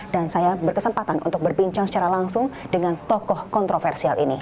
dan saya berkesempatan untuk berbincang secara langsung dengan tokoh kontroversi